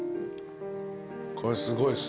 これすごいっす。